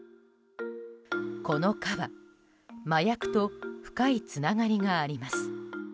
このカバ、麻薬と深いつながりがあります。